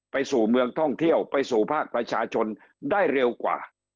สู่เมืองท่องเที่ยวไปสู่ภาคประชาชนได้เร็วกว่า